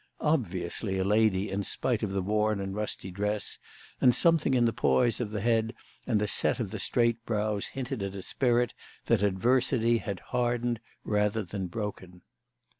Obviously a lady in spite of the worn and rusty dress, and something in the poise of the head and the set of the straight brows hinted at a spirit that adversity had hardened rather than broken.